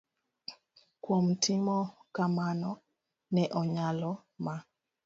Kuom timo kamano, ne onyalo ma